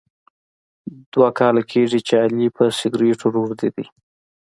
دوه کاله کېږي چې علي په سګرېټو روږدی دی.